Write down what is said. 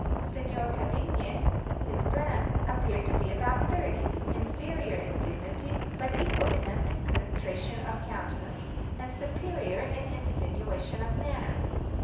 Signor Cavigni, his friend, appeared to be about thirty—inferior in dignity, but equal to him in penetration of countenance, and superior in insinuation of manner.